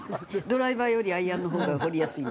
ドライバーよりアイアンのほうが掘りやすい。